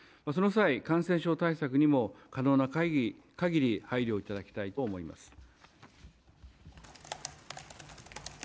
その際、感染症対策にも可能な限り配慮いただきたいと思います。